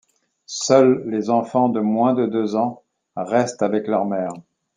Seuls les enfants de moins de deux ans restent avec leur mère.